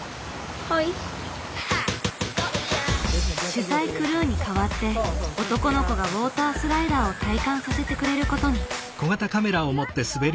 取材クルーに代わって男の子がウォータースライダーを体感させてくれることに。